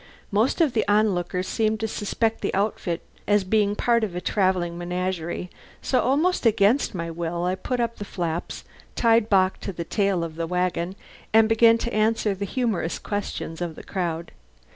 Most of the onlookers seemed to suspect the outfit of being part of a travelling menagerie, so almost against my will I put up the flaps, tied Bock to the tail of the wagon, and began to answer the humourous questions of the crowd.